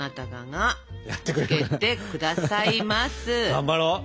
頑張ろう。